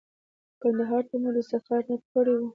کندهار ته مو د سفر نیت کړی و.